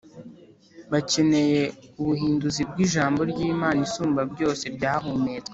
bakeneye ubuhinduzi bw Ijambo ry Imana Isumbabyose ryahumetswe